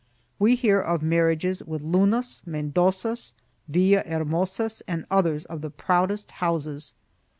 We hear of marriages with Lunas, Mendozas, Villahermosas and others of the proudest houses.